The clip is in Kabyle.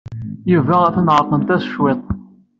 Yuba atan ɛerqent-as cwiṭ.